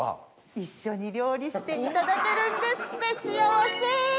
一緒に料理していただけるんです。